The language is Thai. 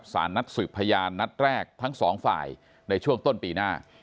สารนัดสืบพยานนัดแรกทั้งสองฝ่ายในช่วงต้นปีหน้า